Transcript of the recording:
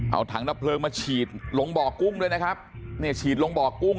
เอาถังดับเพลิงมาฉีดลงบ่อกุ้งด้วยนะครับเนี่ยฉีดลงบ่อกุ้ง